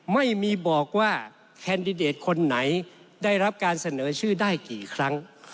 ไม่มีบอกว่าแคนดิเดตคนไหนได้รับการเสนอชื่อได้กี่ครั้ง